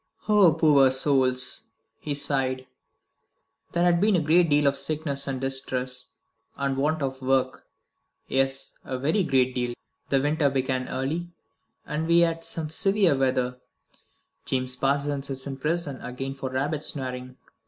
"Oh, poor souls!" he sighed. "There has been a great deal of sickness and distress, and want of work. Yes, a very great deal. The winter began early, and we have had some severe weather. James Parsons is in prison again for rabbit snaring.